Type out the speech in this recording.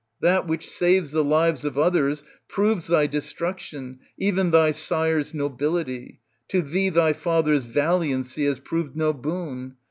That ^ which saves the lives of others, proves thy destruction, even thy sire's nobility; to thee thy father's valiancy has proved no boon.